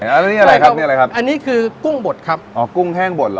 อันนี้อะไรครับนี่อะไรครับอันนี้คือกุ้งบดครับอ๋อกุ้งแห้งบดเหรอ